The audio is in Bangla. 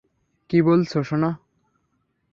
কী বলছো, সোনা?